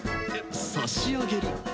差し上げる？